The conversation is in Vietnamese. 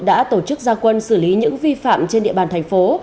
đã tổ chức gia quân xử lý những vi phạm trên địa bàn thành phố